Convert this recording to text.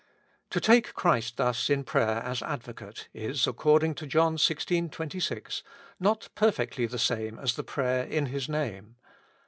To take Christ thus in prayer as Advocate, is according to John xvi. 26 not perfectly the same as the prayer in His Name.